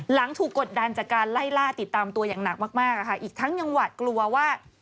หลังถูกกดดันจากการไล่ล่าติดตามตัวอย่างหนักมากอีกทั้งยังหวาดกลัวว่า